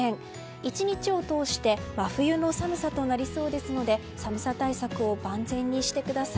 １日を通して真冬の寒さとなりそうですので寒さ対策を万全にしてください。